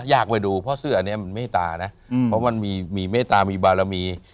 อยากไปดูเพราะเสื้ออันนี้มันเมตตานะเพราะมันมีเมตตามีบารมี